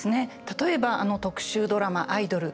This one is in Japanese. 例えば特集ドラマ「アイドル」。